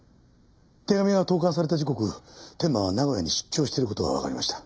手紙が投函された時刻天馬は名古屋に出張してる事がわかりました。